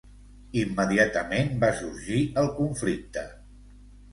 Immediatament va sorgir el conflicte.